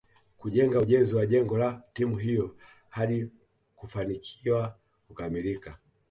kujenga ujenzi wa jengo la timu hiyo hadi kufanikiwa kukamilika